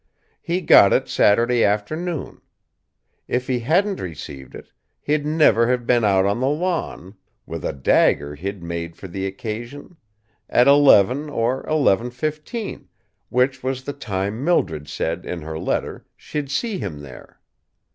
He got it Saturday afternoon. If he hadn't received it, he'd never have been out on the lawn with a dagger he'd made for the occasion at eleven or eleven fifteen, which was the time Mildred said in her letter she'd see him there.